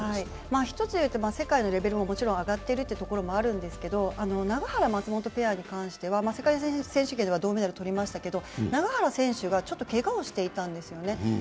１つ言うと世界のレベルが上がっているということももちろんあるんですけれども、永原・松本ペアに関しては、世界選手権では銅メダル取りましたけど、永原選手がけがをしていたんですよね。